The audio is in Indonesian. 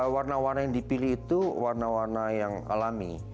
warna warna yang dipilih itu warna warna yang alami